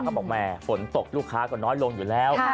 บอกแม่ฝนตกลูกค้าก็น้อยลงอยู่แล้ว